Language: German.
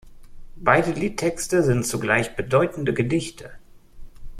Beide Liedtexte sind zugleich bedeutende Gedichte.